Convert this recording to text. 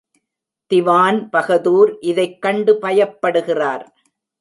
திவான் பகதூர் இதைக் கண்டு பயப்படுகிறார்.